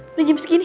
hah udah jam segini